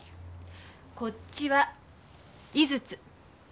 こっちは井筒。ね？